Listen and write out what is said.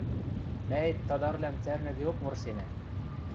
Мӓэт тадарвлӓм цӓрнӹдеок вырсенӓ.